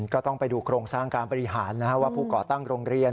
ก็ต้องไปดูโครงสร้างการบริหารว่าผู้ก่อตั้งโรงเรียน